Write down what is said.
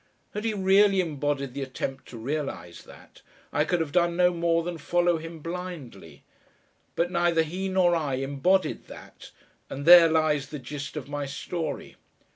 Had he really embodied the attempt to realise that, I could have done no more than follow him blindly. But neither he nor I embodied that, and there lies the gist of my story.